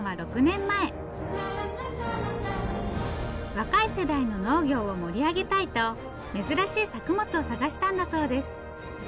若い世代の農業を盛り上げたいと珍しい作物を探したんだそうです。